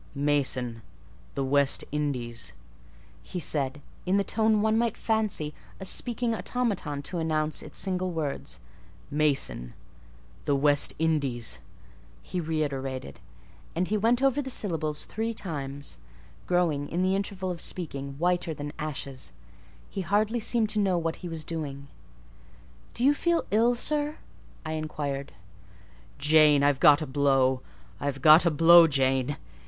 "Mason!—the West Indies!" he said, in the tone one might fancy a speaking automaton to enounce its single words; "Mason!—the West Indies!" he reiterated; and he went over the syllables three times, growing, in the intervals of speaking, whiter than ashes: he hardly seemed to know what he was doing. "Do you feel ill, sir?" I inquired. "Jane, I've got a blow; I've got a blow, Jane!"